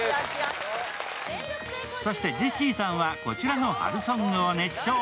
そしてジェシーさんはこちらの春ソングを熱唱。